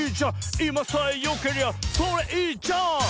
「いまさえよけりゃそれいいじゃん」